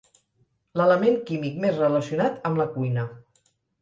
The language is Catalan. L'element químic més relacionat amb la cuina.